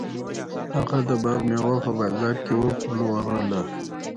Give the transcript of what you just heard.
هغه د باغ میوه په بازار کې وپلورله.